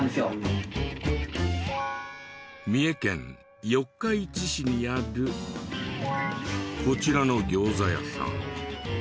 三重県四日市市にあるこちらの餃子屋さん。